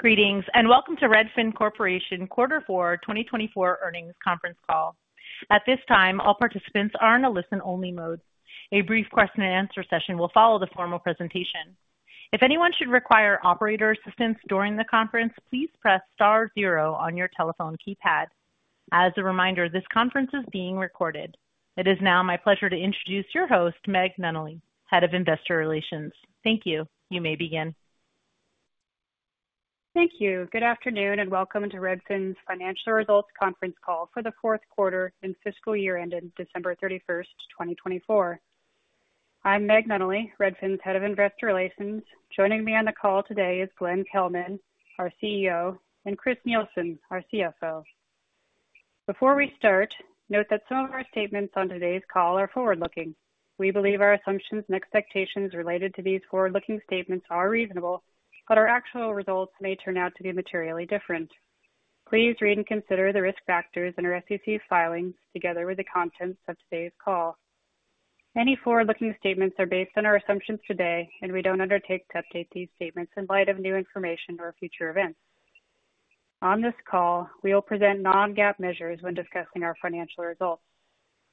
Greetings, and welcome to Redfin Corporation Quarter 4 2024 earnings conference call. At this time, all participants are in a listen-only mode. A brief question-and-answer session will follow the formal presentation. If anyone should require operator assistance during the conference, please press star zero on your telephone keypad. As a reminder, this conference is being recorded. It is now my pleasure to introduce your host, Meg Nunnally, Head of Investor Relations. Thank you. You may begin. Thank you. Good afternoon, and welcome to Redfin's financial results conference call for the fourth quarter and fiscal year ending December 31, 2024. I'm Meg Nunnally, Redfin's Head of Investor Relations. Joining me on the call today is Glenn Kelman, our CEO, and Chris Nielsen, our CFO. Before we start, note that some of our statements on today's call are forward-looking. We believe our assumptions and expectations related to these forward-looking statements are reasonable, but our actual results may turn out to be materially different. Please read and consider the risk factors in our SEC filings together with the contents of today's call. Any forward-looking statements are based on our assumptions today, and we don't undertake to update these statements in light of new information or future events. On this call, we will present non-GAAP measures when discussing our financial results.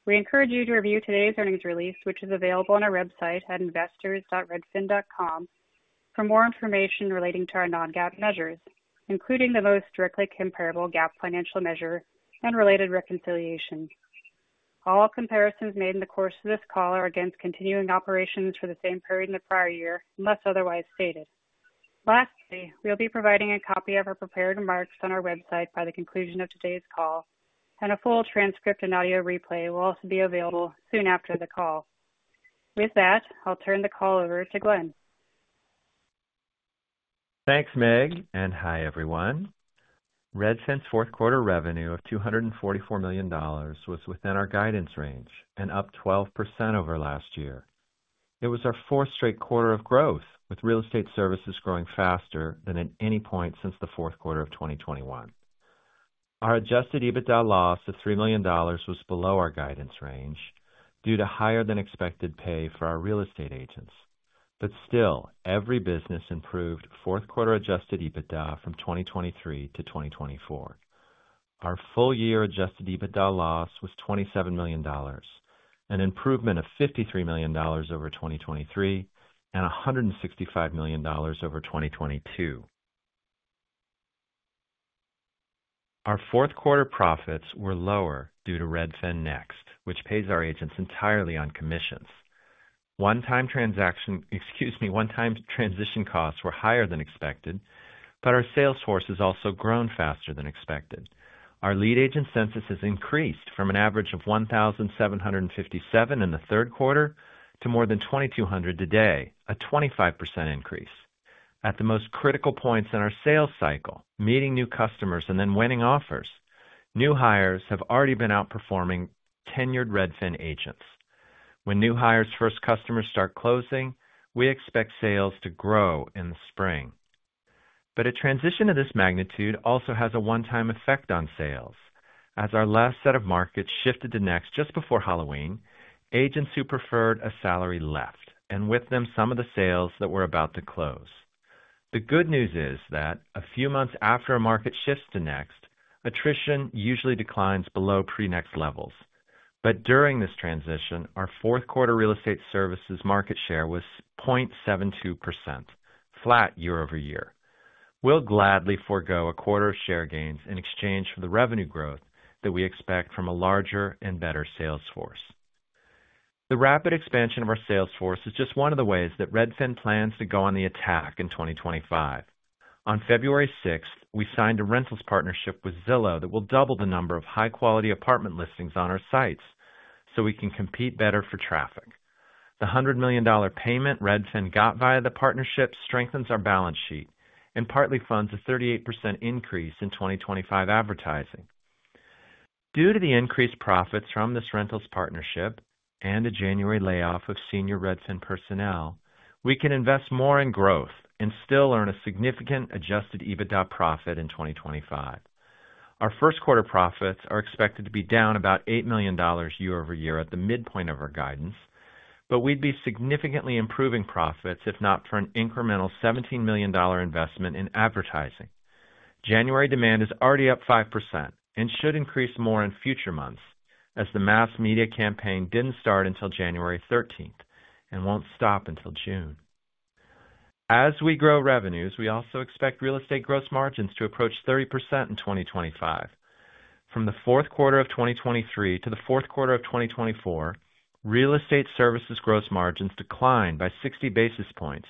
We encourage you to review today's earnings release, which is available on our website at investors.redfin.com, for more information relating to our non-GAAP measures, including the most directly comparable GAAP financial measure and related reconciliation. All comparisons made in the course of this call are against continuing operations for the same period in the prior year, unless otherwise stated. Lastly, we'll be providing a copy of our prepared remarks on our website by the conclusion of today's call, and a full transcript and audio replay will also be available soon after the call. With that, I'll turn the call over to Glenn. Thanks, Meg. Hi, everyone. Redfin's fourth quarter revenue of $244 million was within our guidance range and up 12% over last year. It was our fourth straight quarter of growth, with real estate services growing faster than at any point since the fourth quarter of 2021. Our adjusted EBITDA loss of $3 million was below our guidance range due to higher-than-expected pay for our real estate agents. Still, every business improved fourth quarter adjusted EBITDA from 2023 to 2024. Our full-year adjusted EBITDA loss was $27 million, an improvement of $53 million over 2023 and $165 million over 2022. Our fourth quarter profits were lower due to Redfin Next, which pays our agents entirely on commissions. One-time transition costs were higher than expected, but our sales force has also grown faster than expected. Our lead agent census has increased from an average of 1,757 in the third quarter to more than 2,200 today, a 25% increase. At the most critical points in our sales cycle, meeting new customers and then winning offers, new hires have already been outperforming tenured Redfin agents. When new hires' first customers start closing, we expect sales to grow in the spring. A transition of this magnitude also has a one-time effect on sales. As our last set of markets shifted to Next just before Halloween, agents who preferred a salary left, and with them some of the sales that were about to close. The good news is that a few months after a market shifts to Next, attrition usually declines below pre-Next levels. During this transition, our fourth quarter real estate services market share was 0.72%, flat year-over-year. We'll gladly forgo a quarter of share gains in exchange for the revenue growth that we expect from a larger and better sales force. The rapid expansion of our sales force is just one of the ways that Redfin plans to go on the attack in 2025. On February 6th, we signed a rentals partnership with Zillow that will double the number of high-quality apartment listings on our sites so we can compete better for traffic. The $100 million payment Redfin got via the partnership strengthens our balance sheet and partly funds a 38% increase in 2025 advertising. Due to the increased profits from this rentals partnership and the January layoff of senior Redfin personnel, we can invest more in growth and still earn a significant adjusted EBITDA profit in 2025. Our first quarter profits are expected to be down about $8 million year over year at the midpoint of our guidance, but we'd be significantly improving profits if not for an incremental $17 million investment in advertising. January demand is already up 5% and should increase more in future months as the mass media campaign didn't start until January 13th and won't stop until June. As we grow revenues, we also expect real estate gross margins to approach 30% in 2025. From the fourth quarter of 2023 to the fourth quarter of 2024, real estate services gross margins declined by 60 basis points,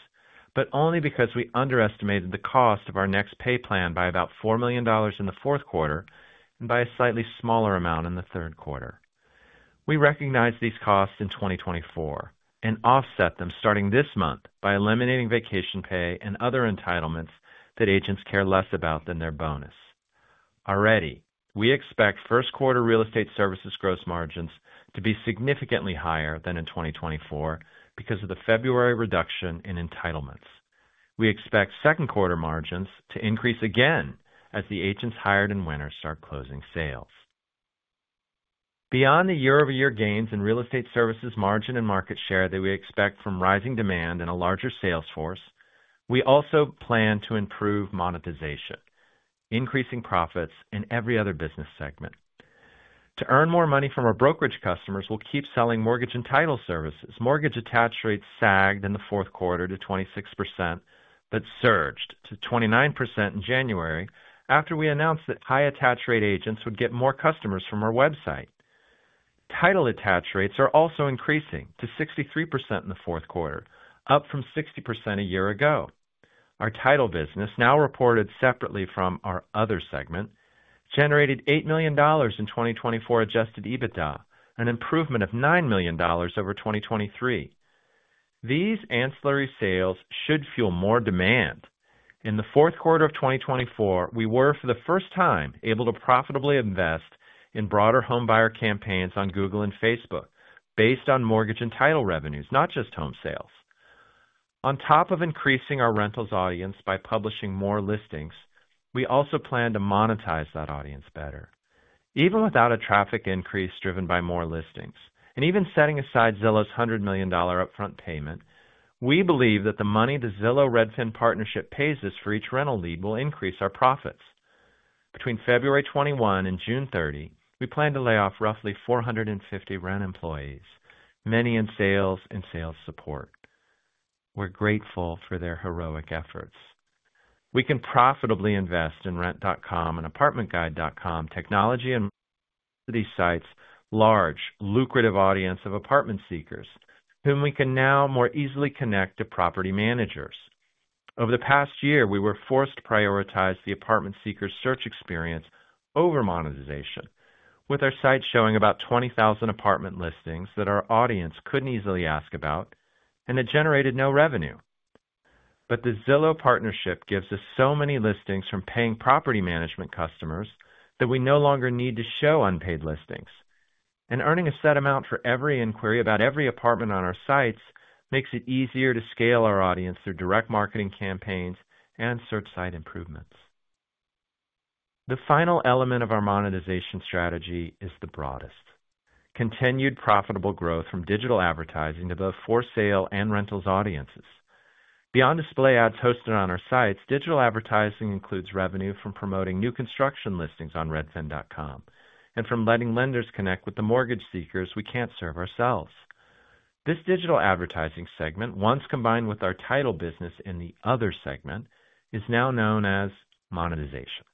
but only because we underestimated the cost of our next pay plan by about $4 million in the fourth quarter and by a slightly smaller amount in the third quarter. We recognize these costs in 2024 and offset them starting this month by eliminating vacation pay and other entitlements that agents care less about than their bonus. Already, we expect first quarter real estate services gross margins to be significantly higher than in 2024 because of the February reduction in entitlements. We expect second quarter margins to increase again as the agents hired in winter start closing sales. Beyond the year-over-year gains in real estate services margin and market share that we expect from rising demand and a larger sales force, we also plan to improve monetization, increasing profits in every other business segment. To earn more money from our brokerage customers, we'll keep selling mortgage and title services. Mortgage attach rates sagged in the fourth quarter to 26%, but surged to 29% in January after we announced that high attach rate agents would get more customers from our website. Title attach rates are also increasing to 63% in the fourth quarter, up from 60% a year ago. Our title business, now reported separately from our other segment, generated $8 million in 2024 adjusted EBITDA, an improvement of $9 million over 2023. These ancillary sales should fuel more demand. In the fourth quarter of 2024, we were, for the first time, able to profitably invest in broader homebuyer campaigns on Google and Facebook based on mortgage and title revenues, not just home sales. On top of increasing our rentals audience by publishing more listings, we also plan to monetize that audience better, even without a traffic increase driven by more listings. Even setting aside Zillow's $100 million upfront payment, we believe that the money the Zillow and Redfin partnership pays us for each rental lead will increase our profits. Between February 21 and June 30, we plan to lay off roughly 450 rent employees, many in sales and sales support. We're grateful for their heroic efforts. We can profitably invest in Rent.com and ApartmentGuide.com technology and these sites' large, lucrative audience of apartment seekers, whom we can now more easily connect to property managers. Over the past year, we were forced to prioritize the apartment seeker's search experience over monetization, with our site showing about 20,000 apartment listings that our audience couldn't easily ask about and that generated no revenue. The Zillow partnership gives us so many listings from paying property management customers that we no longer need to show unpaid listings. Earning a set amount for every inquiry about every apartment on our sites makes it easier to scale our audience through direct marketing campaigns and search site improvements. The final element of our monetization strategy is the broadest: continued profitable growth from digital advertising to both for- sale and rentals audiences. Beyond display ads hosted on our sites, digital advertising includes revenue from promoting new construction listings on Redfin.com and from letting lenders connect with the mortgage seekers we can't serve ourselves. This digital advertising segment, once combined with our title business in the other segment, is now known as monetization.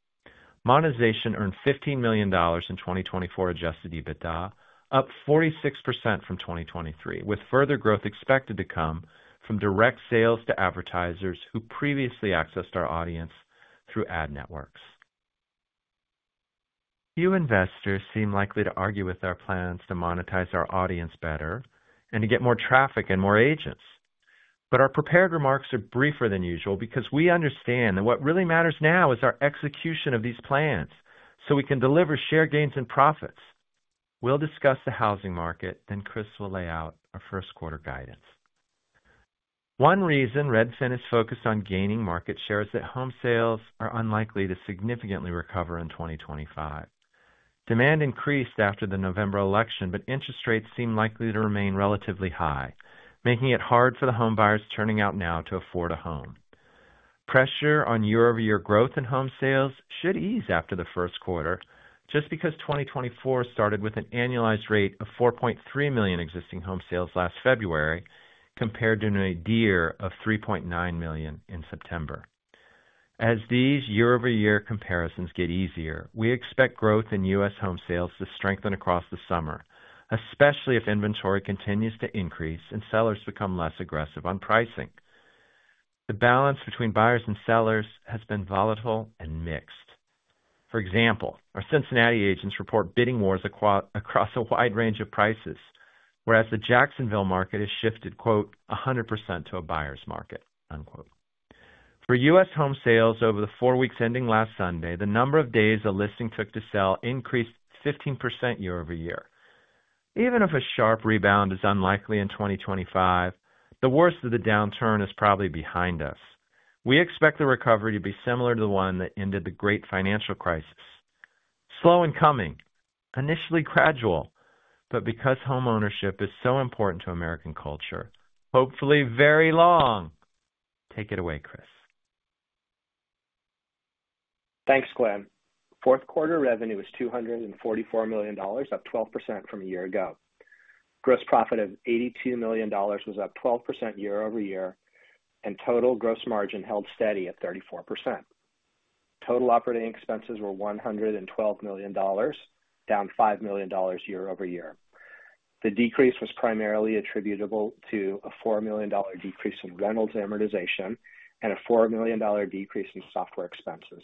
Monetization earned $15 million in 2024 adjusted EBITDA, up 46% from 2023, with further growth expected to come from direct sales to advertisers who previously accessed our audience through ad networks. Few investors seem likely to argue with our plans to monetize our audience better and to get more traffic and more agents. Our prepared remarks are briefer than usual because we understand that what really matters now is our execution of these plans so we can deliver share gains and profits. We'll discuss the housing market, then Chris will lay out our first quarter guidance. One reason Redfin is focused on gaining market share is that home sales are unlikely to significantly recover in 2025. Demand increased after the November election, but interest rates seem likely to remain relatively high, making it hard for the homebuyers turning out now to afford a home. Pressure on year-over-year growth in home sales should ease after the first quarter, just because 2024 started with an annualized rate of 4.3 million existing home sales last February compared to an idea of 3.9 million in September. As these year-over-year comparisons get easier, we expect growth in U.S. Home sales to strengthen across the summer, especially if inventory continues to increase and sellers become less aggressive on pricing. The balance between buyers and sellers has been volatile and mixed. For example, our Cincinnati agents report bidding wars across a wide range of prices, whereas the Jacksonville market has shifted, quote, "100% to a buyer's market." For U.S. home sales over the four weeks ending last Sunday, the number of days a listing took to sell increased 15% year over year. Even if a sharp rebound is unlikely in 2025, the worst of the downturn is probably behind us. We expect the recovery to be similar to the one that ended the great financial crisis. Slow and coming, initially gradual, but because homeownership is so important to American culture, hopefully very long. Take it away, Chris. Thanks, Glenn. Fourth quarter revenue was $244 million, up 12% from a year ago. Gross profit of $82 million was up 12% year over year, and total gross margin held steady at 34%. Total operating expenses were $112 million, down $5 million year over year. The decrease was primarily attributable to a $4 million decrease in rentals amortization and a $4 million decrease in software expenses.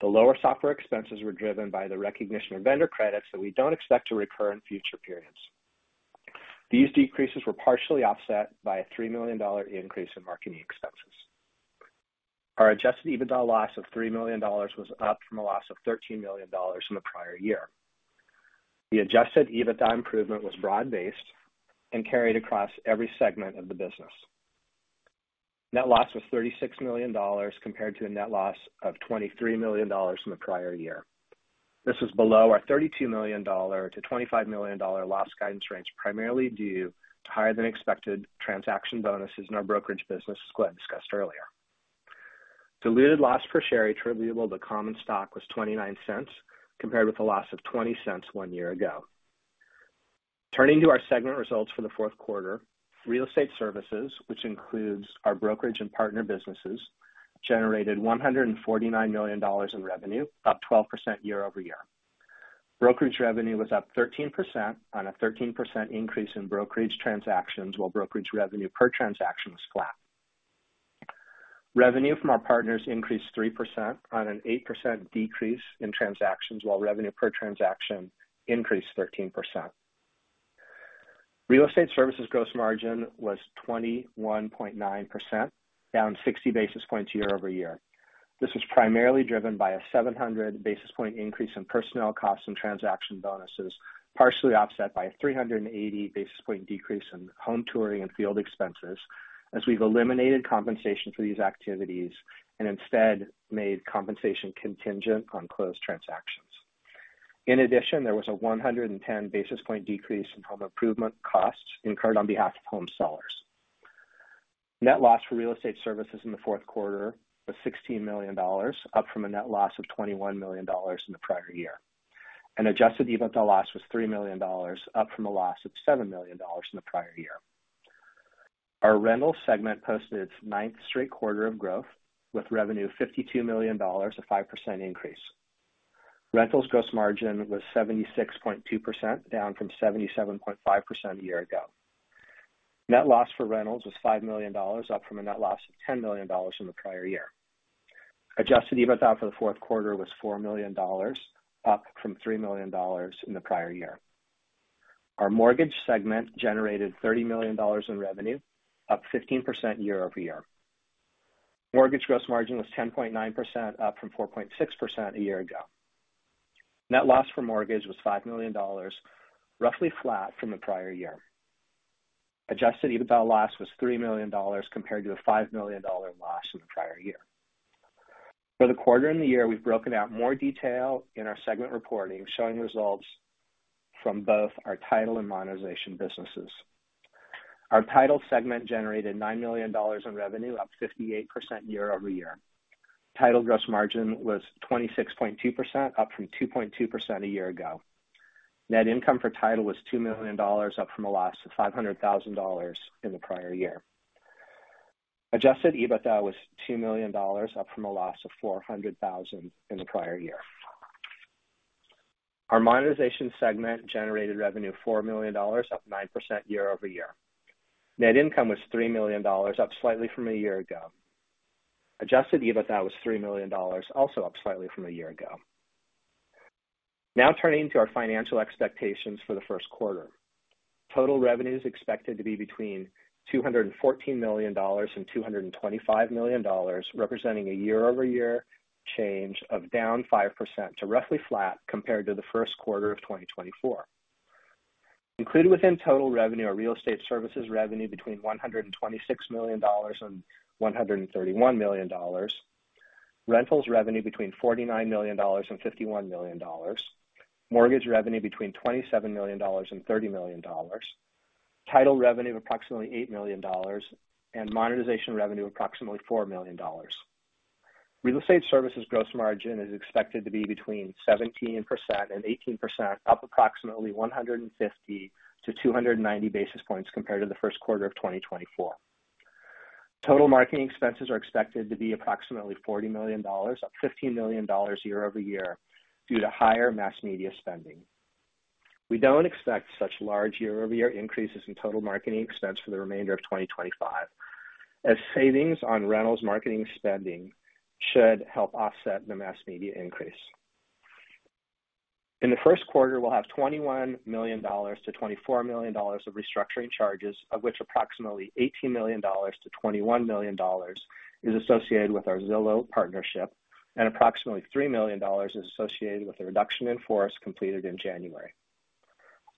The lower software expenses were driven by the recognition of vendor credits that we don't expect to recur in future periods. These decreases were partially offset by a $3 million increase in marketing expenses. Our adjusted EBITDA loss of $3 million was up from a loss of $13 million in the prior year. The adjusted EBITDA improvement was broad-based and carried across every segment of the business. Net loss was $36 million compared to a net loss of $23 million in the prior year. This was below our $32 million-$25 million loss guidance range, primarily due to higher-than-expected transaction bonuses in our brokerage business, as Glenn discussed earlier. Diluted loss per share equivalent to common stock was $0.29 compared with a loss of $0.20 one year ago. Turning to our segment results for the fourth quarter, real estate services, which includes our brokerage and partner businesses, generated $149 million in revenue, up 12% year over year. Brokerage revenue was up 13% on a 13% increase in brokerage transactions, while brokerage revenue per transaction was flat. Revenue from our partners increased 3% on an 8% decrease in transactions, while revenue per transaction increased 13%. Real estate services gross margin was 21.9%, down 60 basis points year-over-year. This was primarily driven by a 700 basis point increase in personnel costs and transaction bonuses, partially offset by a 380 basis point decrease in home touring and field expenses, as we've eliminated compensation for these activities and instead made compensation contingent on closed transactions. In addition, there was a 110 basis point decrease in home improvement costs incurred on behalf of home sellers. Net loss for real estate services in the fourth quarter was $16 million, up from a net loss of $21 million in the prior year. Adjusted EBITDA loss was $3 million, up from a loss of $7 million in the prior year. Our rentals segment posted its ninth straight quarter of growth, with revenue of $52 million, a 5% increase. Rentals gross margin was 76.2%, down from 77.5% a year ago. Net loss for rentals was $5 million, up from a net loss of $10 million in the prior year. Adjusted EBITDA for the fourth quarter was $4 million, up from $3 million in the prior year. Our mortgage segment generated $30 million in revenue, up 15% year-over-year. Mortgage gross margin was 10.9%, up from 4.6% a year ago. Net loss for mortgage was $5 million, roughly flat from the prior year. Adjusted EBITDA loss was $3 million compared to a $5 million loss in the prior year. For the quarter and the year, we've broken out more detail in our segment reporting, showing results from both our title and monetization businesses. Our title segment generated $9 million in revenue, up 58% year-over-year. Title gross margin was 26.2%, up from 2.2% a year ago. Net income for title was $2 million, up from a loss of $500,000 in the prior year. Adjusted EBITDA was $2 million, up from a loss of $400,000 in the prior year. Our monetization segment generated revenue of $4 million, up 9% year over year. Net income was $3 million, up slightly from a year ago. Adjusted EBITDA was $3 million, also up slightly from a year ago. Now turning to our financial expectations for the first quarter. Total revenue is expected to be between $214 million and $225 million, representing a year-over-year change of down 5% to roughly flat compared to the first quarter of 2024. Included within total revenue, our real estate services revenue between $126 million and $131 million, rentals revenue between $49 million and $51 million, mortgage revenue between $27 million and $30 million, title revenue of approximately $8 million, and monetization revenue of approximately $4 million. Real estate services gross margin is expected to be between 17% and 18%, up approximately 150 to 290 basis points compared to the first quarter of 2024. Total marketing expenses are expected to be approximately $40 million, up $15 million year over year due to higher mass media spending. We do not expect such large year-over-year increases in total marketing expense for the remainder of 2025, as savings on rentals marketing spending should help offset the mass media increase. In the first quarter, we will have $21 million to $24 million of restructuring charges, of which approximately $18 million to $21 million is associated with our Zillow partnership, and approximately $3 million is associated with the reduction in force completed in January.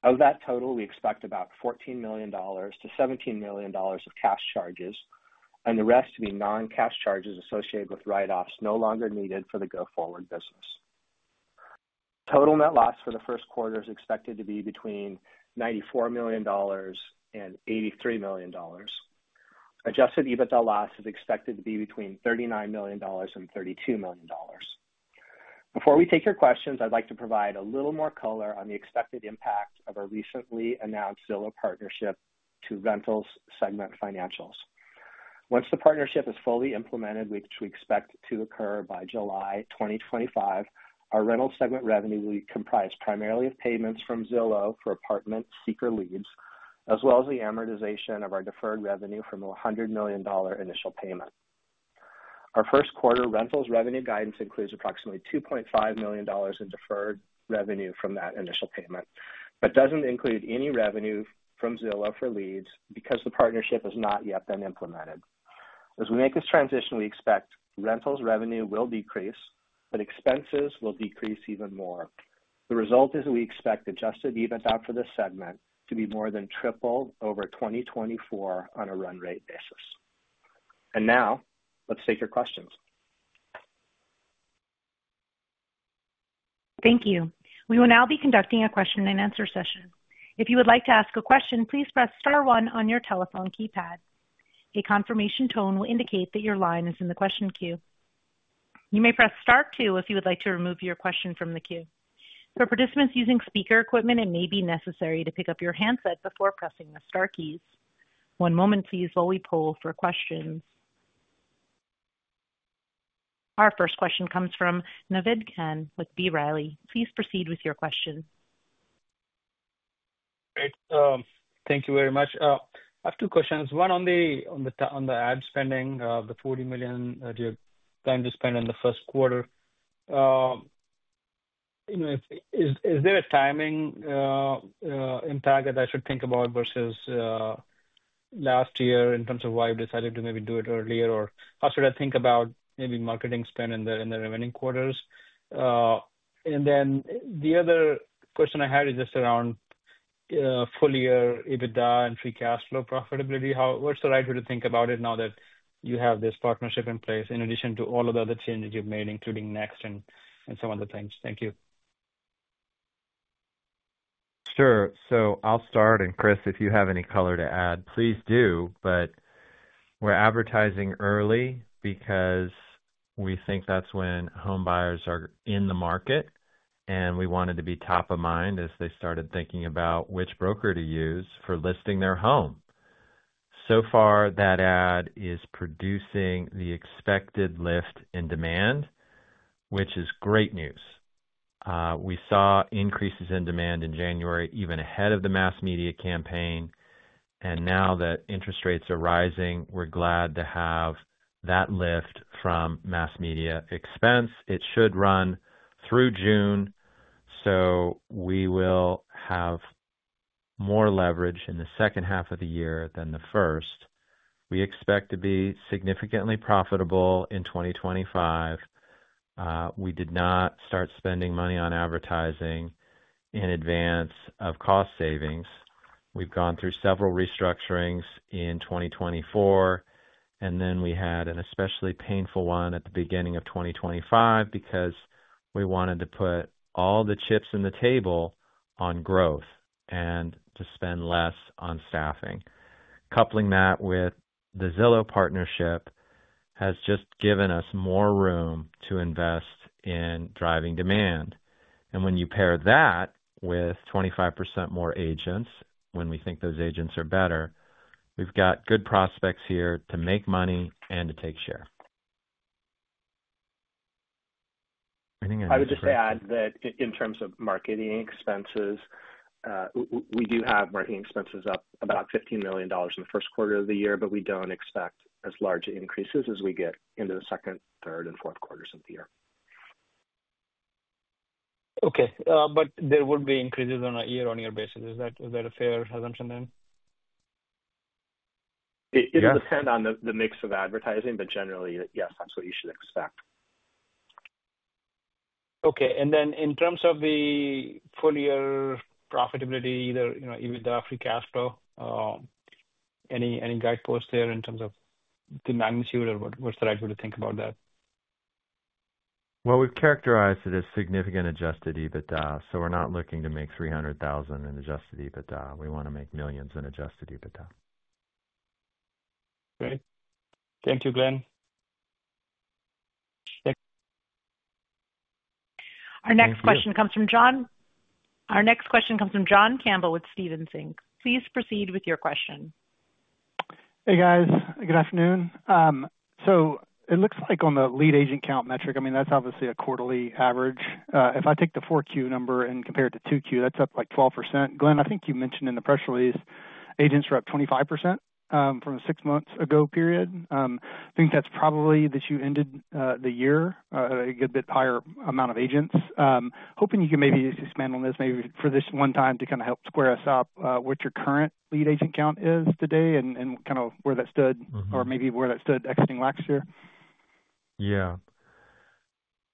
Of that total, we expect about $14 million-$17 million of cash charges, and the rest to be non-cash charges associated with write-offs no longer needed for the go-forward business. Total net loss for the first quarter is expected to be between $94 million and $83 million. Adjusted EBITDA loss is expected to be between $39 million and $32 million. Before we take your questions, I'd like to provide a little more color on the expected impact of our recently announced Zillow partnership to rentals segment financials. Once the partnership is fully implemented, which we expect to occur by July 2025, our rentals segment revenue will comprise primarily of payments from Zillow for apartment seeker leads, as well as the amortization of our deferred revenue from a $100 million initial payment. Our first quarter rentals revenue guidance includes approximately $2.5 million in deferred revenue from that initial payment, but doesn't include any revenue from Zillow for leads because the partnership has not yet been implemented. As we make this transition, we expect rentals revenue will decrease, but expenses will decrease even more. The result is we expect adjusted EBITDA for this segment to be more than triple over 2024 on a run rate basis. Now, let's take your questions. Thank you. We will now be conducting a question-and-answer session. If you would like to ask a question, please press star one on your telephone keypad. A confirmation tone will indicate that your line is in the question queue. You may press star two if you would like to remove your question from the queue. For participants using speaker equipment, it may be necessary to pick up your handset before pressing the star keys. One moment, please, while we poll for questions. Our first question comes from Naved Khan with B. Riley. Please proceed with your question. Thank you very much. I have two questions. One on the ad spending, the $40 million you're going to spend in the first quarter. Is there a timing impact that I should think about versus last year in terms of why you decided to maybe do it earlier, or how should I think about maybe marketing spend in the remaining quarters? And then the other question I had is just around full-year EBITDA and free cash flow profitability. What's the right way to think about it now that you have this partnership in place in addition to all of the other changes you've made, including Next and some other things? Thank you. Sure. I'll start, and Chris, if you have any color to add, please do. We're advertising early because we think that's when homebuyers are in the market, and we wanted to be top of mind as they started thinking about which broker to use for listing their home. So far, that ad is producing the expected lift in demand, which is great news. We saw increases in demand in January even ahead of the mass media campaign. Now that interest rates are rising, we're glad to have that lift from mass media expense. It should run through June, so we will have more leverage in the second half of the year than the first. We expect to be significantly profitable in 2025. We did not start spending money on advertising in advance of cost savings. We've gone through several restructurings in 2024, and then we had an especially painful one at the beginning of 2025 because we wanted to put all the chips in the table on growth and to spend less on staffing. Coupling that with the Zillow partnership has just given us more room to invest in driving demand. When you pair that with 25% more agents, when we think those agents are better, we've got good prospects here to make money and to take share. Anything else? I would just add that in terms of marketing expenses, we do have marketing expenses up about $15 million in the first quarter of the year, but we don't expect as large increases as we get into the second, third, and fourth quarters of the year. Okay. But there would be increases on a year-on-year basis. Is that a fair assumption then? It'll depend on the mix of advertising, but generally, yes, that's what you should expect. Okay. In terms of the full-year profitability, either EBITDA or free cash flow, any guideposts there in terms of the magnitude or what's the right way to think about that? We've characterized it as significant adjusted EBITDA, so we're not looking to make $300,000 in adjusted EBITDA. We want to make millions in adjusted EBITDA. Great. Thank you, Glenn. Our next question comes from John Campbell with Stephens Inc. Please proceed with your question. Hey, guys. Good afternoon. It looks like on the lead agent count metric, I mean, that's obviously a quarterly average. If I take the 4Q number and compare it to 2Q, that's up like 12%. Glenn, I think you mentioned in the press release agents were up 25% from a six-month-ago period. I think that's probably that you ended the year at a good bit higher amount of agents. Hoping you can maybe expand on this, maybe for this one time to kind of help square us up what your current lead agent count is today and kind of where that stood or maybe where that stood exiting last year. Yeah.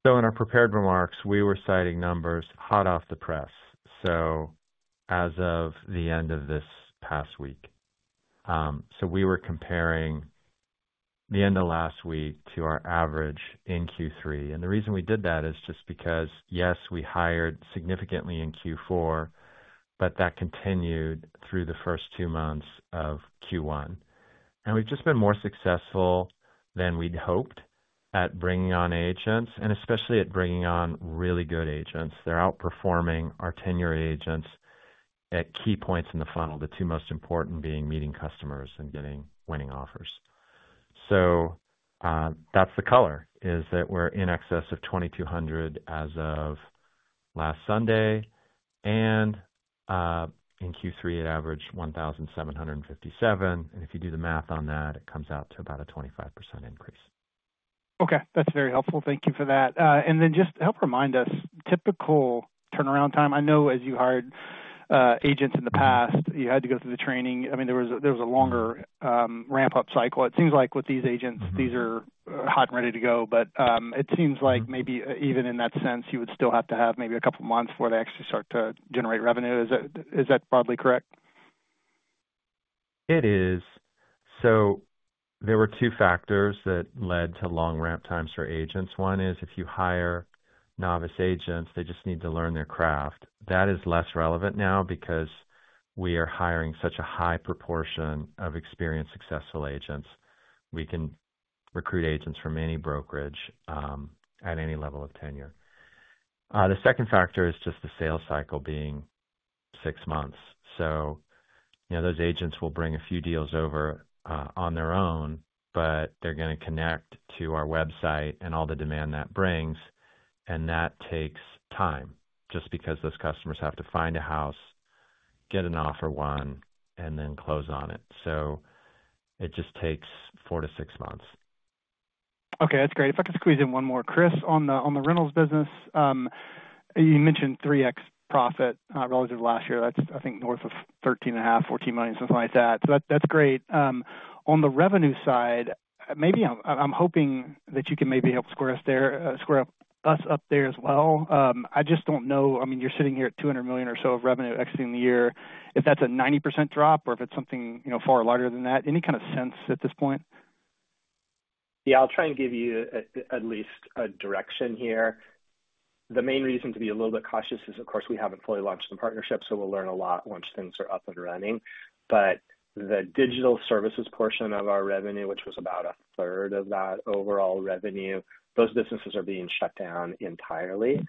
In our prepared remarks, we were citing numbers hot off the press, as of the end of this past week. We were comparing the end of last week to our average in Q3. The reason we did that is just because, yes, we hired significantly in Q4, but that continued through the first two months of Q1. We've just been more successful than we'd hoped at bringing on agents, and especially at bringing on really good agents. They're outperforming our tenured agents at key points in the funnel, the two most important being meeting customers and getting winning offers. That's the color, is that we're in excess of 2,200 as of last Sunday, and in Q3, it averaged 1,757. If you do the math on that, it comes out to about a 25% increase. Okay. That's very helpful. Thank you for that. And then just help remind us, typical turnaround time. I know as you hired agents in the past, you had to go through the training. I mean, there was a longer ramp-up cycle. It seems like with these agents, these are hot and ready to go, but it seems like maybe even in that sense, you would still have to have maybe a couple of months for it to actually start to generate revenue. Is that broadly correct? It is. There were two factors that led to long ramp times for agents. One is if you hire novice agents, they just need to learn their craft. That is less relevant now because we are hiring such a high proportion of experienced, successful agents. We can recruit agents from any brokerage at any level of tenure. The second factor is just the sales cycle being six months. Those agents will bring a few deals over on their own, but they are going to connect to our website and all the demand that brings, and that takes time just because those customers have to find a house, get an offer won, and then close on it. It just takes four to six months. Okay. That's great. If I could squeeze in one more, Chris, on the rentals business, you mentioned 3X profit relative to last year. That's, I think, north of $13.5 million, $14 million, something like that. That's great. On the revenue side, maybe I'm hoping that you can maybe help square us up there as well. I just don't know. I mean, you're sitting here at $200 million or so of revenue exiting the year. If that's a 90% drop or if it's something far larger than that, any kind of sense at this point? Yeah. I'll try and give you at least a direction here. The main reason to be a little bit cautious is, of course, we haven't fully launched the partnership, so we'll learn a lot once things are up and running. The digital services portion of our revenue, which was about a third of that overall revenue, those businesses are being shut down entirely.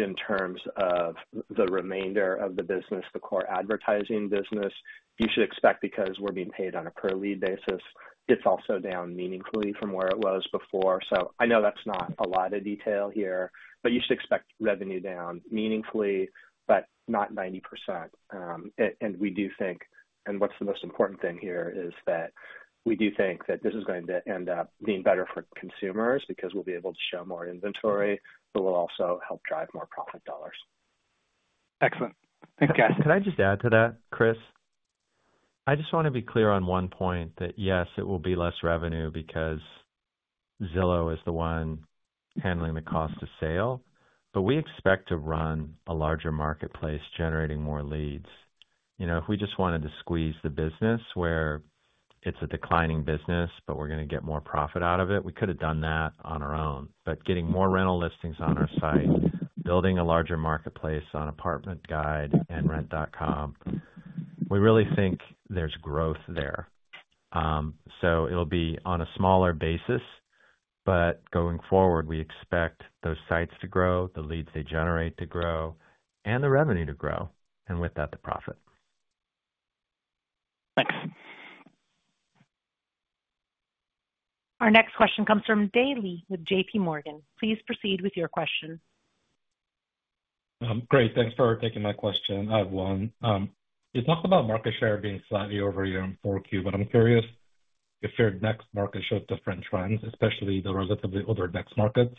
In terms of the remainder of the business, the core advertising business, you should expect, because we're being paid on a per-lead basis, it's also down meaningfully from where it was before. I know that's not a lot of detail here, but you should expect revenue down meaningfully, but not 90%. We do think, and what's the most important thing here is that we do think that this is going to end up being better for consumers because we'll be able to show more inventory, but we'll also help drive more profit dollars. Excellent. Thanks, guys. Can I just add to that, Chris? I just want to be clear on one point that, yes, it will be less revenue because Zillow is the one handling the cost of sale, but we expect to run a larger marketplace generating more leads. If we just wanted to squeeze the business where it's a declining business, but we're going to get more profit out of it, we could have done that on our own. Getting more rental listings on our site, building a larger marketplace on ApartmentGuide.com and Rent.com, we really think there's growth there. It will be on a smaller basis, but going forward, we expect those sites to grow, the leads they generate to grow, and the revenue to grow, and with that, the profit. Thanks. Our next question comes from Daily with JP Morgan. Please proceed with your question. Great. Thanks for taking my question. I have one. You talked about market share being slightly over year in 4Q, but I'm curious if your next market shows different trends, especially the relatively older next markets.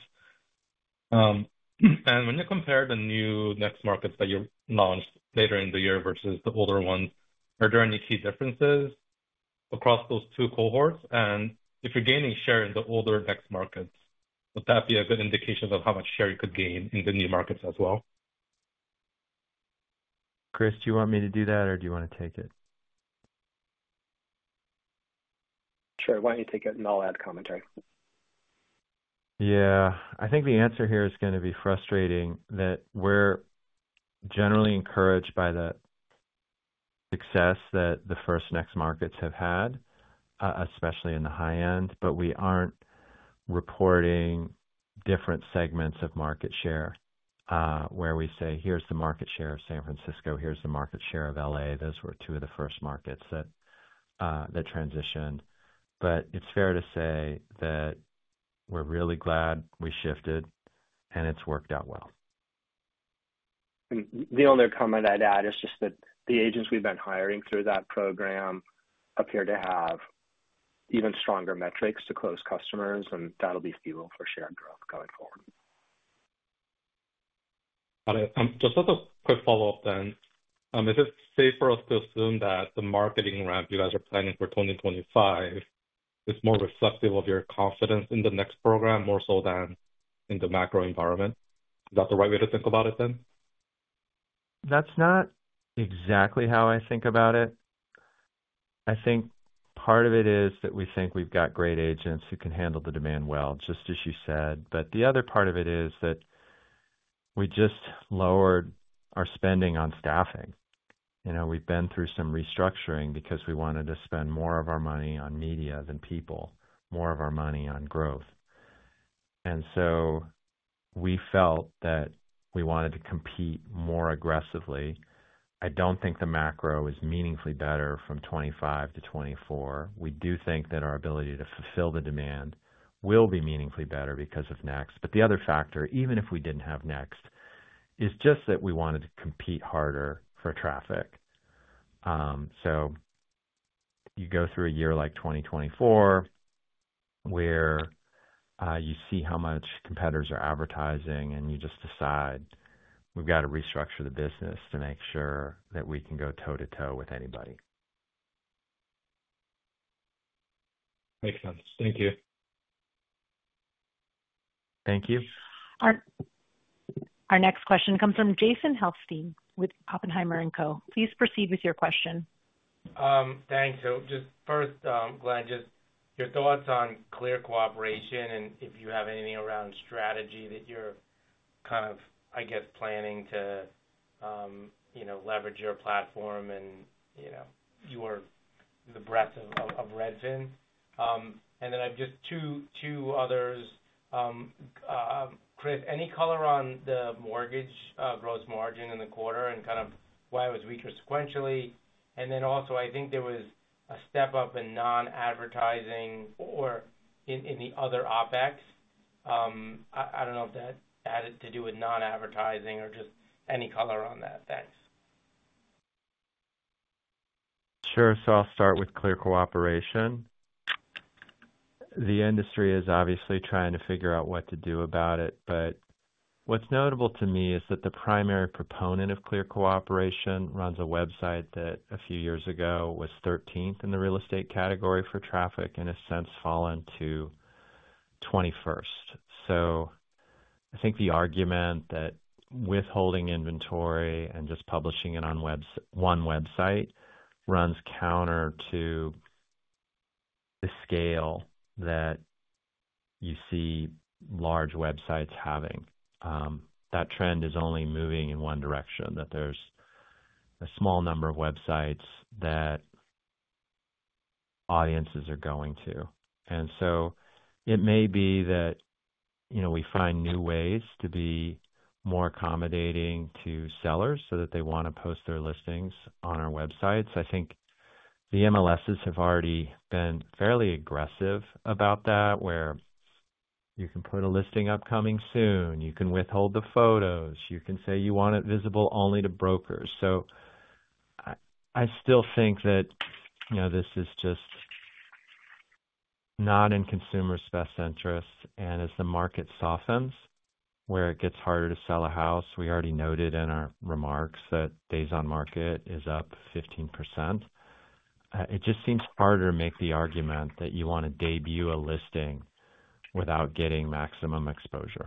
When you compare the new next markets that you launched later in the year versus the older ones, are there any key differences across those two cohorts? If you're gaining share in the older next markets, would that be a good indication of how much share you could gain in the new markets as well? Chris, do you want me to do that, or do you want to take it? Sure. Why don't you take it, and I'll add commentary. Yeah. I think the answer here is going to be frustrating that we're generally encouraged by the success that the first Next markets have had, especially in the high end, but we aren't reporting different segments of market share where we say, "Here's the market share of San Francisco. Here's the market share of LA." Those were two of the first markets that transitioned. It's fair to say that we're really glad we shifted, and it's worked out well. The only comment I'd add is just that the agents we've been hiring through that program appear to have even stronger metrics to close customers, and that'll be fuel for shared growth going forward. Got it. Just as a quick follow-up then, is it safe for us to assume that the marketing ramp you guys are planning for 2025 is more reflective of your confidence in the Next program more so than in the macro environment? Is that the right way to think about it then? That's not exactly how I think about it. I think part of it is that we think we've got great agents who can handle the demand well, just as you said. The other part of it is that we just lowered our spending on staffing. We've been through some restructuring because we wanted to spend more of our money on media than people, more of our money on growth. We felt that we wanted to compete more aggressively. I don't think the macro is meaningfully better from 2025 to 2024. We do think that our ability to fulfill the demand will be meaningfully better because of Next. The other factor, even if we didn't have Next, is just that we wanted to compete harder for traffic. You go through a year like 2024 where you see how much competitors are advertising, and you just decide, "We've got to restructure the business to make sure that we can go toe-to-toe with anybody. Makes sense. Thank you. Thank you. Our next question comes from Jason Helfstein with Oppenheimer & Co. Please proceed with your question. Thanks. Just first, Glenn, your thoughts on clear cooperation and if you have anything around strategy that you're kind of, I guess, planning to leverage your platform and the breadth of Redfin. I have just two others. Chris, any color on the mortgage gross margin in the quarter and kind of why it was weaker sequentially? Also, I think there was a step up in non-advertising or in the other OpEx. I don't know if that had to do with non-advertising or just any color on that. Thanks. Sure. I'll start with clear cooperation. The industry is obviously trying to figure out what to do about it, but what's notable to me is that the primary proponent of clear cooperation runs a website that a few years ago was 13th in the real estate category for traffic and has since fallen to 21st. I think the argument that withholding inventory and just publishing it on one website runs counter to the scale that you see large websites having. That trend is only moving in one direction, that there's a small number of websites that audiences are going to. It may be that we find new ways to be more accommodating to sellers so that they want to post their listings on our websites. I think the MLSs have already been fairly aggressive about that, where you can put a listing upcoming soon. You can withhold the photos. You can say you want it visible only to brokers. I still think that this is just not in consumers' best interest. As the market softens, where it gets harder to sell a house, we already noted in our remarks that days on market is up 15%. It just seems harder to make the argument that you want to debut a listing without getting maximum exposure.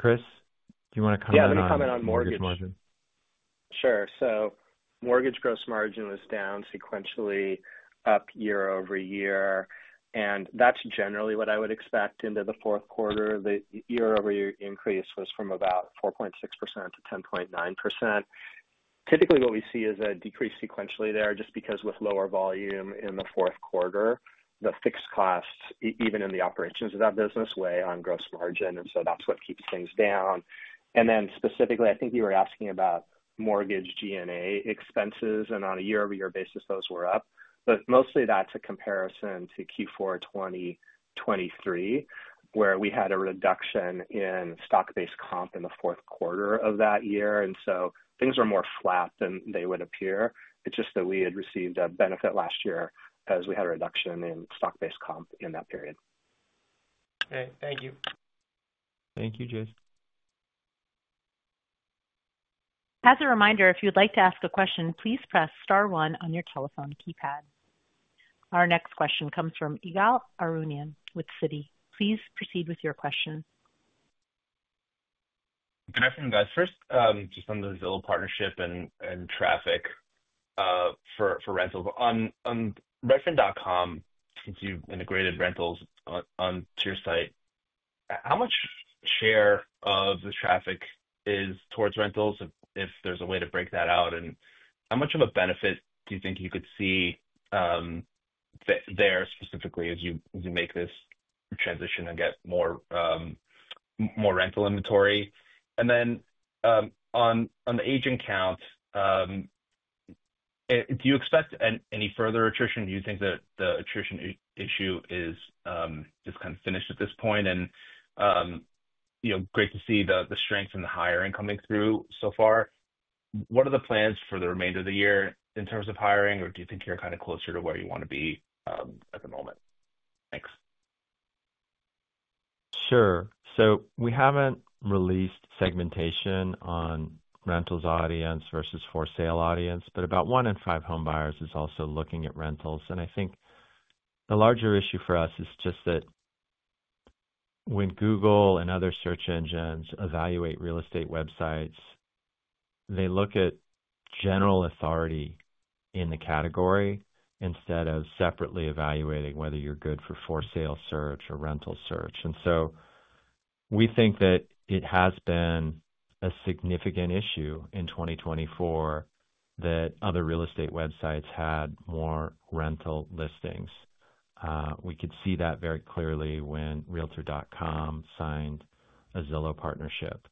Chris, do you want to comment on mortgage margin? Yeah. I can comment on mortgage. Sure. Mortgage gross margin was down sequentially, up year over year. That's generally what I would expect into the fourth quarter. The year-over-year increase was from about 4.6% to 10.9%. Typically, what we see is a decrease sequentially there just because with lower volume in the fourth quarter, the fixed costs, even in the operations of that business, weigh on gross margin, and that's what keeps things down. Specifically, I think you were asking about mortgage G&A expenses, and on a year-over-year basis, those were up. Mostly that's a comparison to Q4 2023, where we had a reduction in stock-based comp in the fourth quarter of that year. Things were more flat than they would appear. It's just that we had received a benefit last year as we had a reduction in stock-based comp in that period. Okay. Thank you. Thank you, Jason. As a reminder, if you'd like to ask a question, please press star one on your telephone keypad. Our next question comes from Ygal Arounian with Citi. Please proceed with your question. Good afternoon, guys. First, just on the Zillow partnership and traffic for rentals. On Redfin.com, since you've integrated rentals onto your site, how much share of the traffic is towards rentals? If there's a way to break that out, how much of a benefit do you think you could see there specifically as you make this transition and get more rental inventory? On the agent count, do you expect any further attrition? Do you think that the attrition issue is just kind of finished at this point? Great to see the strength and the hiring coming through so far. What are the plans for the remainder of the year in terms of hiring, or do you think you're kind of closer to where you want to be at the moment? Thanks. Sure. We haven't released segmentation on rentals audience versus for sale audience, but about one in five homebuyers is also looking at rentals. I think the larger issue for us is just that when Google and other search engines evaluate real estate websites, they look at general authority in the category instead of separately evaluating whether you're good for for sale search or rental search. We think that it has been a significant issue in 2024 that other real estate websites had more rental listings. We could see that very clearly when Realtor.com signed a Zillow partnership.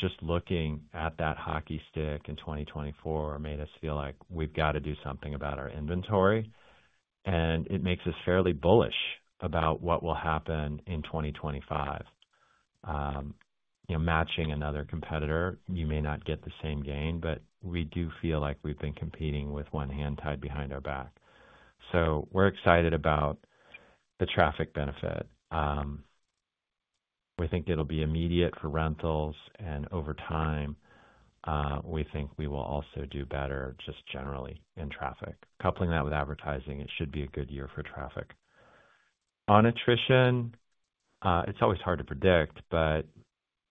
Just looking at that hockey stick in 2024 made us feel like we've got to do something about our inventory. It makes us fairly bullish about what will happen in 2025. Matching another competitor, you may not get the same gain, but we do feel like we've been competing with one hand tied behind our back. We are excited about the traffic benefit. We think it'll be immediate for rentals, and over time, we think we will also do better just generally in traffic. Coupling that with advertising, it should be a good year for traffic. On attrition, it's always hard to predict, but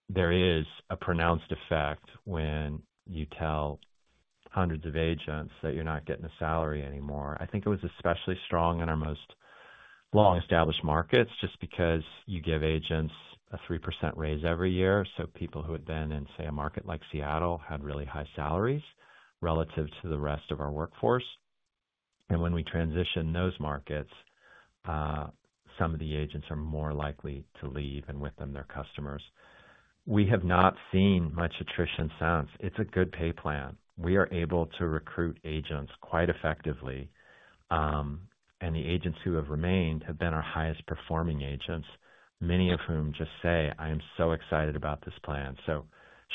there is a pronounced effect when you tell hundreds of agents that you're not getting a salary anymore. I think it was especially strong in our most long-established markets just because you give agents a 3% raise every year. People who had been in, say, a market like Seattle had really high salaries relative to the rest of our workforce. When we transition those markets, some of the agents are more likely to leave, and with them, their customers. We have not seen much attrition since. It's a good pay plan. We are able to recruit agents quite effectively, and the agents who have remained have been our highest-performing agents, many of whom just say, "I am so excited about this plan."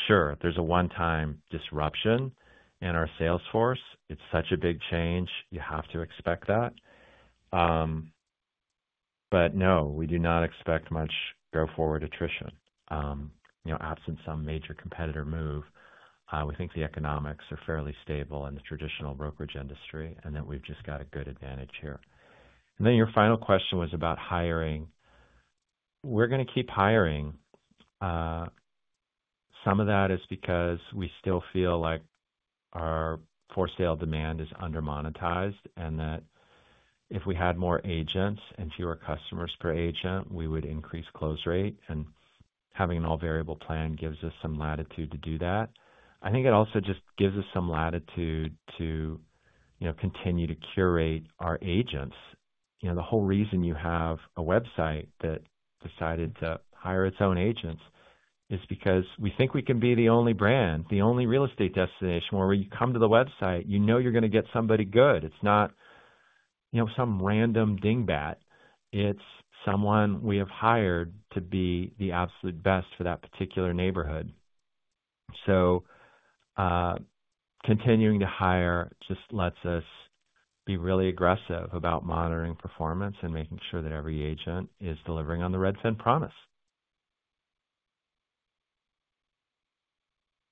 There is a one-time disruption in our salesforce. It's such a big change. You have to expect that. No, we do not expect much go forward attrition. Absent some major competitor move, we think the economics are fairly stable in the traditional brokerage industry and that we've just got a good advantage here. Your final question was about hiring. We're going to keep hiring. Some of that is because we still feel like our for sale demand is under monetized and that if we had more agents and fewer customers per agent, we would increase close rate. Having an all-variable plan gives us some latitude to do that. I think it also just gives us some latitude to continue to curate our agents. The whole reason you have a website that decided to hire its own agents is because we think we can be the only brand, the only real estate destination where when you come to the website, you know you're going to get somebody good. It's not some random dingbat. It's someone we have hired to be the absolute best for that particular neighborhood. Continuing to hire just lets us be really aggressive about monitoring performance and making sure that every agent is delivering on the Redfin promise.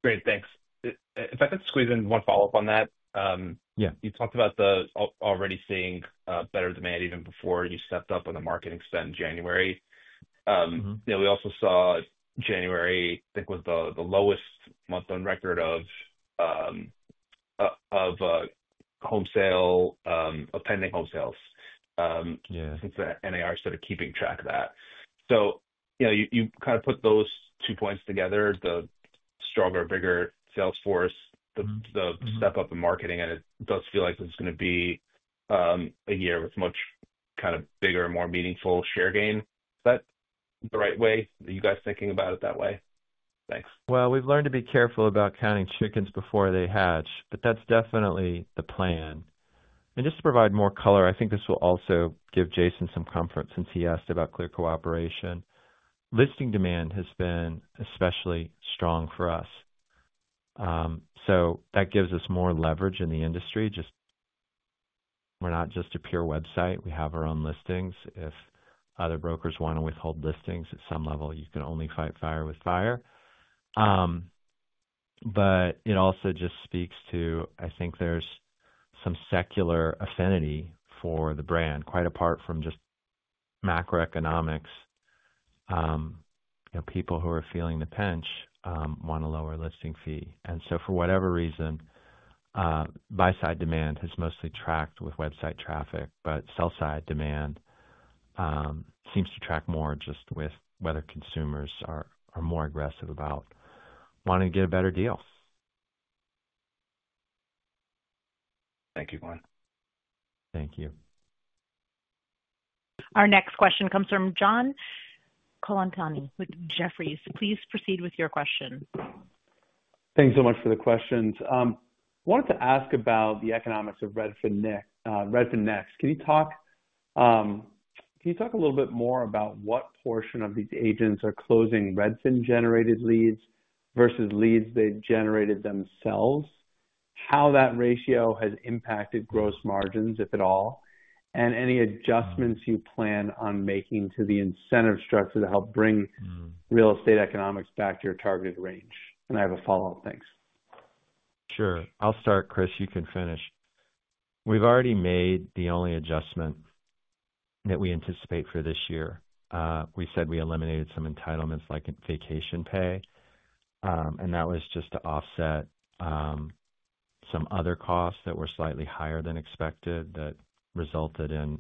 Great. Thanks. If I could squeeze in one follow-up on that. You talked about already seeing better demand even before you stepped up on the marketing spend in January. We also saw January, I think, was the lowest month-end record of pending home sales. I think the NAR started keeping track of that. You kind of put those two points together, the stronger, bigger salesforce, the step up in marketing, and it does feel like this is going to be a year with much kind of bigger, more meaningful share gain. Is that the right way? Are you guys thinking about it that way? Thanks. We've learned to be careful about counting chickens before they hatch, but that's definitely the plan. Just to provide more color, I think this will also give Jason some comfort since he asked about clear cooperation. Listing demand has been especially strong for us. That gives us more leverage in the industry. We're not just a pure website. We have our own listings. If other brokers want to withhold listings at some level, you can only fight fire with fire. It also just speaks to, I think, there's some secular affinity for the brand, quite apart from just macroeconomics. People who are feeling the pinch want a lower listing fee. For whatever reason, buy-side demand has mostly tracked with website traffic, but sell-side demand seems to track more just with whether consumers are more aggressive about wanting to get a better deal. Thank you, Glenn. Thank you. Our next question comes from John Colantuoni with Jefferies. Please proceed with your question. Thanks so much for the questions. I wanted to ask about the economics of Redfin. Next, can you talk a little bit more about what portion of these agents are closing Redfin-generated leads versus leads they've generated themselves, how that ratio has impacted gross margins, if at all, and any adjustments you plan on making to the incentive structure to help bring real estate economics back to your targeted range? I have a follow-up. Thanks. Sure. I'll start, Chris. You can finish. We've already made the only adjustment that we anticipate for this year. We said we eliminated some entitlements like vacation pay, and that was just to offset some other costs that were slightly higher than expected that resulted in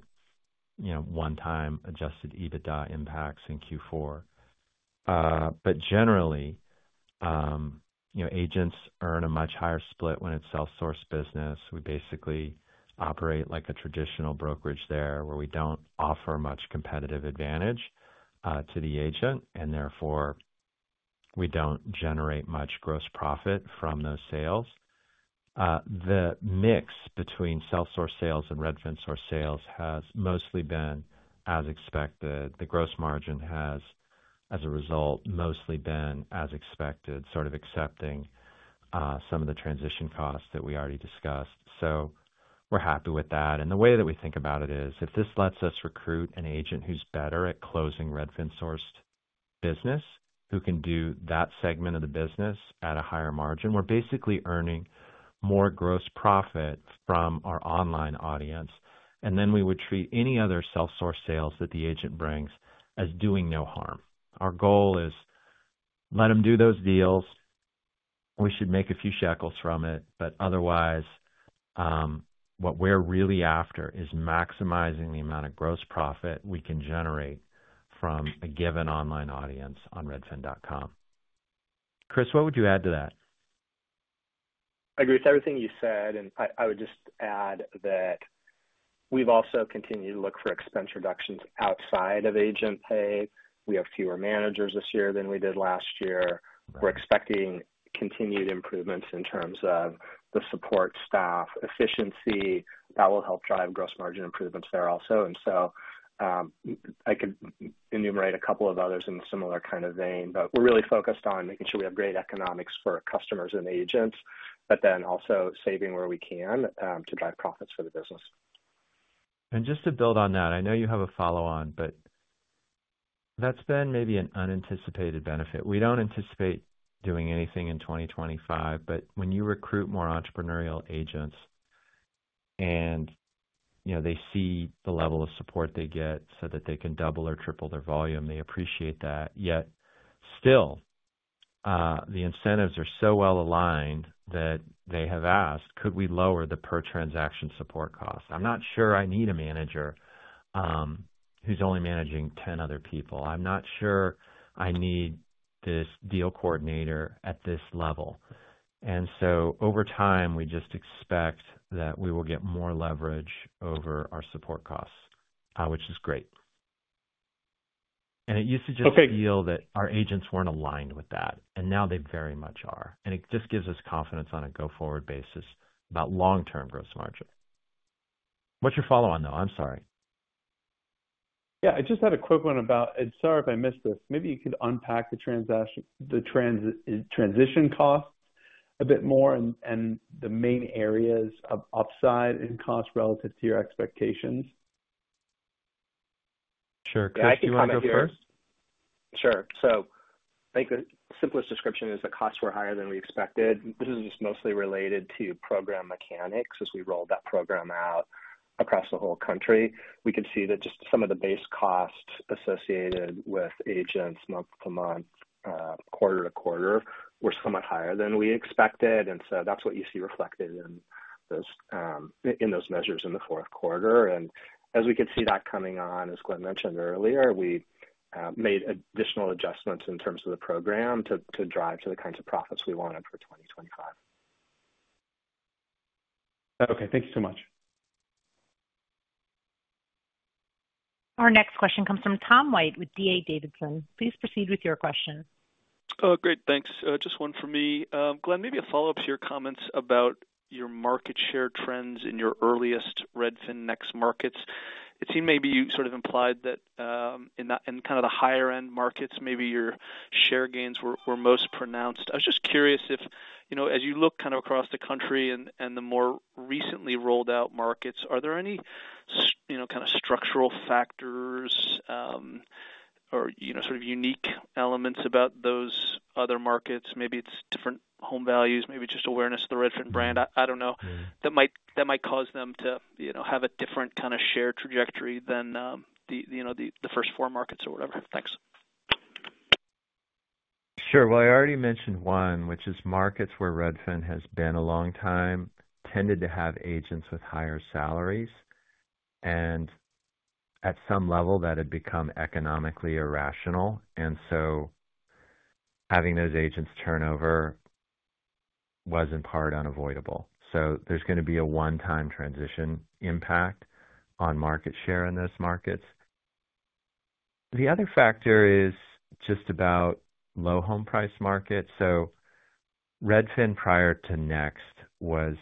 one-time adjusted EBITDA impacts in Q4. Generally, agents earn a much higher split when it's self-sourced business. We basically operate like a traditional brokerage there where we don't offer much competitive advantage to the agent, and therefore, we don't generate much gross profit from those sales. The mix between self-sourced sales and Redfin-sourced sales has mostly been as expected. The gross margin has, as a result, mostly been as expected, sort of accepting some of the transition costs that we already discussed. We're happy with that. The way that we think about it is, if this lets us recruit an agent who's better at closing Redfin-sourced business, who can do that segment of the business at a higher margin, we're basically earning more gross profit from our online audience. We would treat any other self-sourced sales that the agent brings as doing no harm. Our goal is let them do those deals. We should make a few shekels from it. Otherwise, what we're really after is maximizing the amount of gross profit we can generate from a given online audience on Redfin.com. Chris, what would you add to that? I agree with everything you said. I would just add that we've also continued to look for expense reductions outside of agent pay. We have fewer managers this year than we did last year. We're expecting continued improvements in terms of the support staff efficiency. That will help drive gross margin improvements there also. I could enumerate a couple of others in a similar kind of vein, but we're really focused on making sure we have great economics for customers and agents, but then also saving where we can to drive profits for the business. Just to build on that, I know you have a follow-on, but that's been maybe an unanticipated benefit. We don't anticipate doing anything in 2025, but when you recruit more entrepreneurial agents and they see the level of support they get so that they can double or triple their volume, they appreciate that. Yet still, the incentives are so well aligned that they have asked, "Could we lower the per-transaction support cost?" I'm not sure I need a manager who's only managing 10 other people. I'm not sure I need this deal coordinator at this level. Over time, we just expect that we will get more leverage over our support costs, which is great. It used to just feel that our agents weren't aligned with that, and now they very much are. It just gives us confidence on a go forward basis about long-term gross margin. What's your follow-on, though? I'm sorry. Yeah. I just had a quick one about, and sorry if I missed this, maybe you could unpack the transition costs a bit more and the main areas of upside in cost relative to your expectations. Sure. Chris, do you want to go first? Sure. I think the simplest description is the costs were higher than we expected. This is just mostly related to program mechanics as we rolled that program out across the whole country. We could see that just some of the base costs associated with agents month to month, quarter to quarter, were somewhat higher than we expected. That is what you see reflected in those measures in the fourth quarter. As we could see that coming on, as Glenn mentioned earlier, we made additional adjustments in terms of the program to drive to the kinds of profits we wanted for 2025. Okay. Thank you so much. Our next question comes from Tom White with DA Davidson. Please proceed with your question. Oh, great. Thanks. Just one for me. Glenn, maybe a follow-up to your comments about your market share trends in your earliest Redfin Next markets. It seemed maybe you sort of implied that in kind of the higher-end markets, maybe your share gains were most pronounced. I was just curious if, as you look kind of across the country and the more recently rolled-out markets, are there any kind of structural factors or sort of unique elements about those other markets? Maybe it's different home values, maybe just awareness of the Redfin brand. I don't know. That might cause them to have a different kind of share trajectory than the first four markets or whatever. Thanks. Sure. I already mentioned one, which is markets where Redfin has been a long time tended to have agents with higher salaries. At some level, that had become economically irrational. Having those agents turnover was in part unavoidable. There is going to be a one-time transition impact on market share in those markets. The other factor is just about low home price markets. Redfin prior to Next was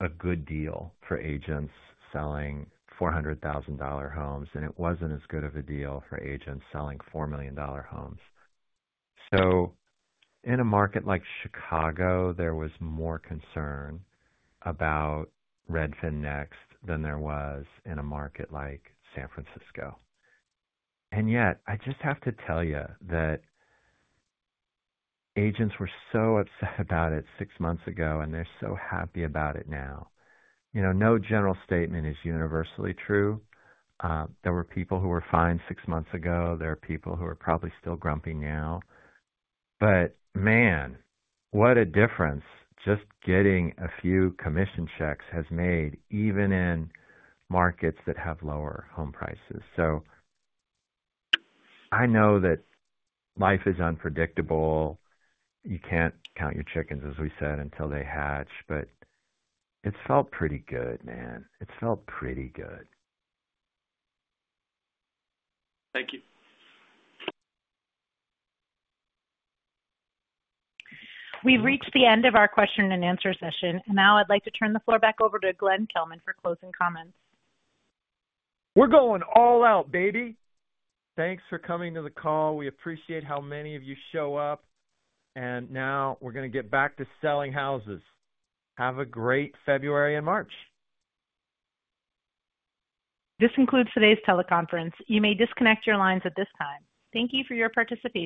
a good deal for agents selling $400,000 homes, and it was not as good of a deal for agents selling $4 million homes. In a market like Chicago, there was more concern about Redfin Next than there was in a market like San Francisco. Yet, I just have to tell you that agents were so upset about it six months ago, and they are so happy about it now. No general statement is universally true. There were people who were fine six months ago. There are people who are probably still grumpy now. What a difference just getting a few commission checks has made even in markets that have lower home prices. I know that life is unpredictable. You can't count your chickens, as we said, until they hatch, but it's felt pretty good. It's felt pretty good. Thank you. We've reached the end of our question and answer session. I would like to turn the floor back over to Glenn Kelman for closing comments. We're going all out, baby. Thanks for coming to the call. We appreciate how many of you show up. Now we're going to get back to selling houses. Have a great February and March. This concludes today's teleconference. You may disconnect your lines at this time. Thank you for your participation.